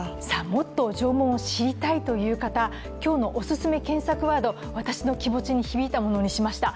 もっと縄文を知りたいという方、今日のオススメキーワード、私の気持ちに響いたものにしました。